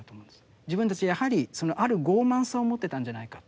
自分たちやはりそのある傲慢さを持ってたんじゃないか。